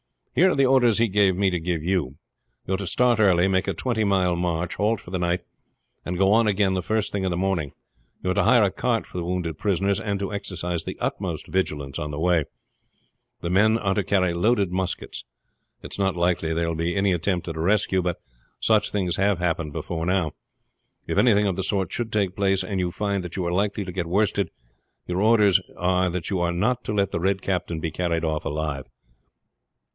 Here are the orders he gave me to give you. You are to start early, make a twenty mile march, halt for the night, and go on again the first thing in the morning. You are to hire a cart for the wounded prisoners, and to exercise the utmost vigilance on the way. The men are to carry loaded muskets. It is not likely there will be any attempt at a rescue; but such things have happened before now. If anything of the sort should take place, and you find that you are likely to get worsted, your orders are that you are not to let the Red Captain be carried off alive.